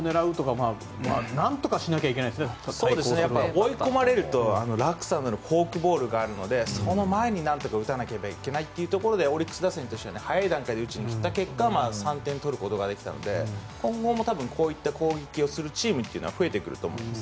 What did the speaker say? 追い込まれると落差のあるフォークボールがあるのでその前になんとか打たなければならないということでオリックス打線としては早い段階で打ちに行った結果３点取ることができたので今後もこういった攻撃をするチームというのは増えてくると思います。